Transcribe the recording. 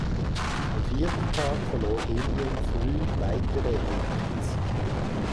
Am vierten Tag verlor Indien früh weitere Wickets.